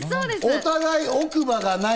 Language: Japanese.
お互い奥歯がない！